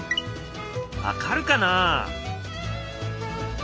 分かるかな？